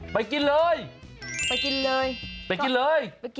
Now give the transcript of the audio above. ไปกินเลยไปกินเลยไปกินเลย